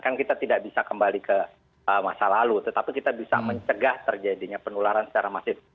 kan kita tidak bisa kembali ke masa lalu tetapi kita bisa mencegah terjadinya penularan secara masif